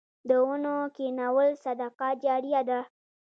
د ونو کینول صدقه جاریه ده.